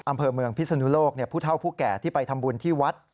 อำเภอเมืองพิศนุโลกผู้เท่าผู้แก่ที่ไปทำบุญที่วัด